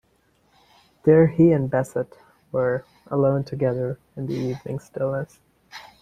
There he and Bassett were, alone together in the evening stillness.